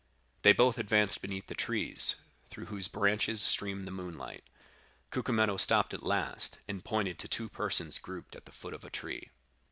They both advanced beneath the trees, through whose branches streamed the moonlight. Cucumetto stopped at last, and pointed to two persons grouped at the foot of a tree.